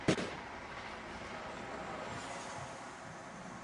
Administrace serveru se s průběhem času měnila.